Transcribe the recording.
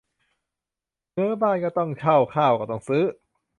เง้อ บ้านก็ต้องเช่า ข้าวก็ต้องซื้อ